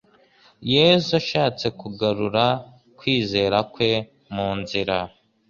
Yesu ashatse kugarura kwizera kwe mu nzira,